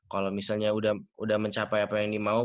kalau misalnya udah mencapai apa yang dimau